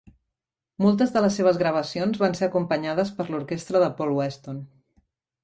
Moltes de les seves gravacions van ser acompanyades per l'orquestra de Paul Weston.